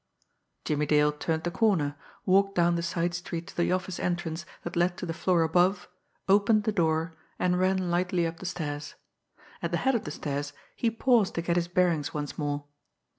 Jimmie Dale turned the corner, walked down the side street to the office entrance that led to the floor above, opened the door, and ran lightly up the stairs. At the head of the stairs he paused to get his bearings once more.